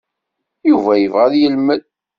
Yuba yebɣa ad yelmed.